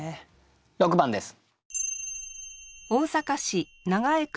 ６番です。